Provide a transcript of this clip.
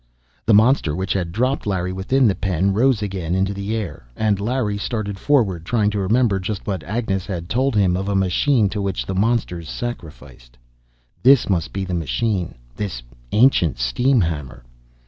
The monster which had dropped Larry within the pen rose again into the air. And Larry started forward, trying to remember just what Agnes had told him of a machine to which the monsters sacrificed. This must be the machine this ancient steam hammer!